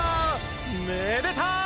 めでたい！